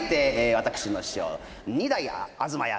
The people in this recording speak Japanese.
私の師匠二代東家